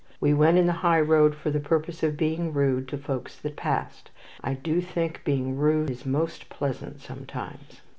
We went on the highroad for the purpose of being rude to the folks that passed. I do think being rude is most pleasant sometimes."